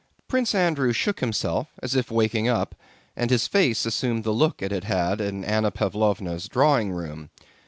Prince Andrew shook himself as if waking up, and his face assumed the look it had had in Anna Pávlovna's drawing room.